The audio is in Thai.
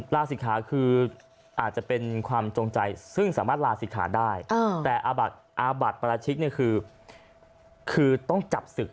ลาศิกขาคืออาจจะเป็นความจงใจซึ่งสามารถลาศิกขาได้แต่อาบัติปราชิกเนี่ยคือต้องจับศึก